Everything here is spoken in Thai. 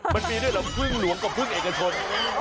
มันมีด้วยเหรอพึ่งหลวงกับพึ่งเอกชน